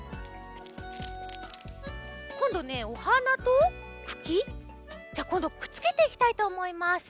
こんどねお花とくきじゃあこんどくっつけていきたいとおもいます。